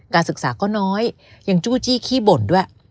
การศึกษาก็น้อยยังจู้จี้ขี้บ่นด้วย